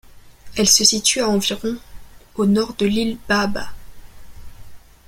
Elle se situe à environ au nord de l'île Baaba.